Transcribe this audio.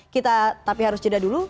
kita tapi harus jeda dulu